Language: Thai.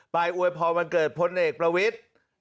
ไปอวยพรวันเกิดพเนศประวิท